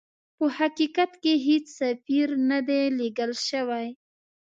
په حقیقت کې هیڅ سفیر نه دی لېږل سوی.